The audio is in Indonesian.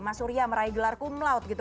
mas surya meraih gelar cum laude gitu